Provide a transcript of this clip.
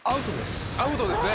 アウトですね。